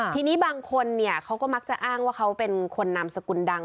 ทีนี้บางคนเนี่ยเขาก็มักจะอ้างว่าเขาเป็นคนนามสกุลดัง